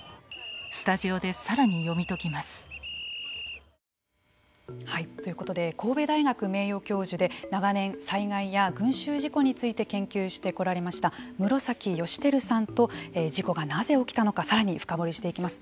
スタジオでさらに読み解きます。ということで神戸大学名誉教授で長年災害や群衆事故について研究してこられました室崎益輝さんと事故がなぜ起きたのかさらに深掘りしていきます。